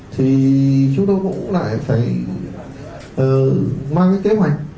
thì chúng tôi cũng lại phải mang cái kế hoạch